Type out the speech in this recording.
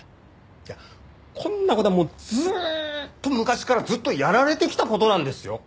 いやこんな事はずーっと昔からずっとやられてきた事なんですよ。